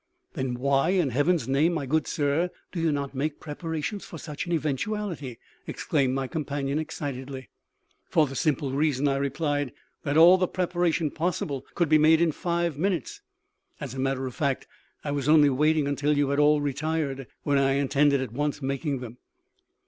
"Then why, in Heaven's name, my good sir, do you not make preparation for such an eventuality?" exclaimed my companion, excitedly. "For the simple reason," I replied, "that all the preparation possible could be made in five minutes; and, as a matter of fact, I was only waiting until you had all retired, when I intended at once making them.